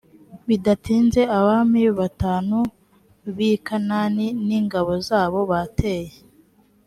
bidatinze abami batanu bi kanani n ingabo zabo bateye